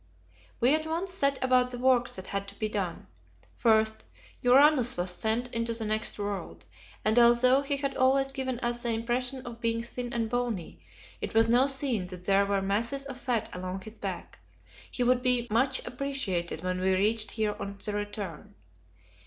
We at once set about the work that had to be done. First, Uranus was sent into the next world, and although he had always given us the impression of being thin and bony, it was now seen that there were masses of fat along his back; he would be much appreciated when we reached here on the return.